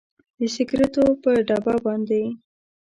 د سګریټو پر ډبه باندې